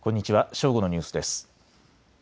正午のニュースです。